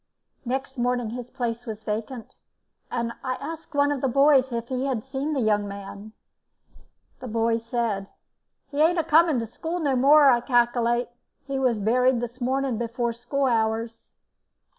Next morning his place was vacant, and I asked one of the boys if he had seen the young man. The boy said: "He ain't a coming to school no more, I calkilate. He was buried this morning before school hours."